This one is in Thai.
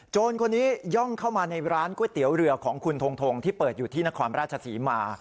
คนนี้ย่องเข้ามาในร้านก๋วยเตี๋ยวเรือของคุณทงทงที่เปิดอยู่ที่นครราชศรีมา